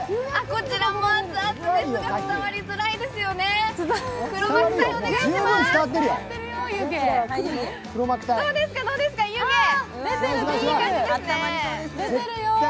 こちらも熱々ですが、伝わりづらいですよね。